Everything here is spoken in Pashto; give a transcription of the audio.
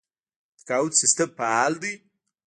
د تقاعد سیستم فعال دی؟